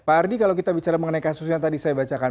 pak ardi kalau kita bicara mengenai kasus yang tadi saya bacakan